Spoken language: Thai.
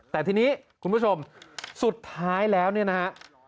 แต่ทีนี้คุณผู้ชมสุดท้ายแล้วเนี่ยนะฮะ